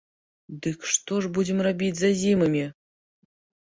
Дык што ж будзем рабіць з азімымі?